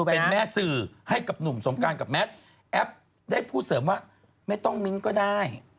เป็นแม่สื่อให้กับหนุ่มสงการกับแมทแอปได้พูดเสริมว่าไม่ต้องมิ้งก็ได้